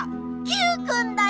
Ｑくんだよ！